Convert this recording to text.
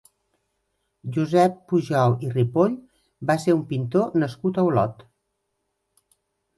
Josep Pujol i Ripoll va ser un pintor nascut a Olot.